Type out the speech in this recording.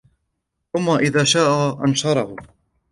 ثُمَّ إِذَا شَاء أَنشَرَهُ